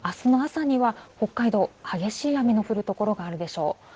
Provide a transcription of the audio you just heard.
あすの朝には北海道、激しい雨の降る所があるでしょう。